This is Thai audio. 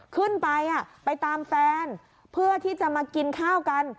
ขึ้นไปไปตามแฟนเพื่อที่จะมากินข้าวกัน